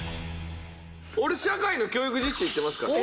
俺社会の教育実習行ってますから。